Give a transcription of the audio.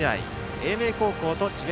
英明高校と智弁